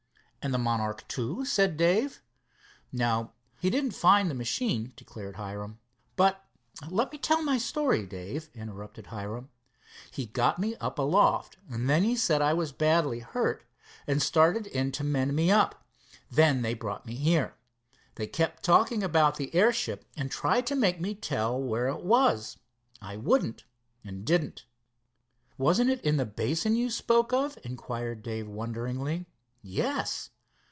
"And the Monarch II," said Dave. "No, he didn't find the machine," declared Hiram. "But " "Let me tell my story, Dave," interrupted Hiram. "He got me up aloft. Then he said I was badly hurt, and started in to mend me up. Then they brought me here. They kept talking about the airship, and tried to make me tell where it was. I wouldn't, and didn't." "Wasn't it in the basin you spoke of?" inquired Dave wonderingly. "Yes."